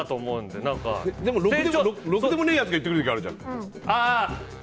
でも、ろくでもねえやつが言ってくる時あるじゃん。